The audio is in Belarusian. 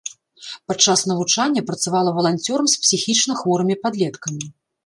Падчас навучання працавала валанцёрам з псіхічна хворымі падлеткамі.